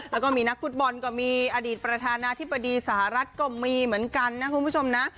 แล้วก็มีนักฟุตบอลก็มีอดีตประธานาธิบดีสหรัฐก็มีเหมือนกันนะคุณผู้ชมนะ